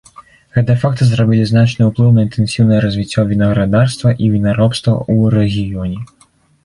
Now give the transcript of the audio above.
Гэтыя факты зрабілі значны ўплыў на інтэнсіўнае развіццё вінаградарства і вінаробства ў рэгіёне.